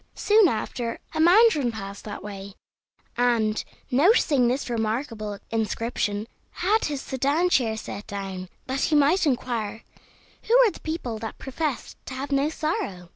Soon after, a mandarin passed that way, and, noticing this remarkable inscription, had his sedan chair set down, that he might inquire who were the people that professed to have no sorrow.